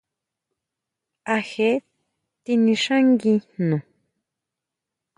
¿A jee tinixángui jno?